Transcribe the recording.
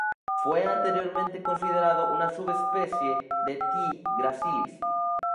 Fue anteriormente considerado una subespecie de T. gracilis.